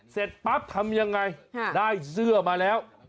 เสร็จปั๊บทำยังไงได้เสื้อมาแล้ว